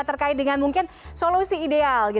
terkait dengan mungkin solusi ideal